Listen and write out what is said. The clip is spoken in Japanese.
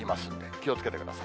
気をつけてください。